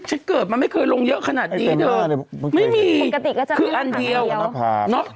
ฉันเกิดมาไม่เคยลงเยอะขนาดนี้เดี๋ยวไม่มีคืออันเดียวเนาะ